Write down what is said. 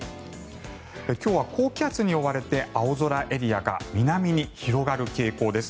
今日は高気圧に覆われて青空エリアが南に広がる傾向です。